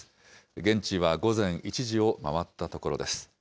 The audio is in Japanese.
現地は午前１時を回ったところです。